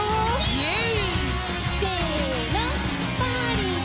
イエイ！